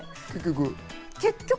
結局。